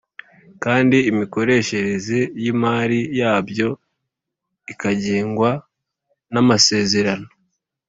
kandi imikoreshereze y’imari yabyo ikagengwa n’amasezerano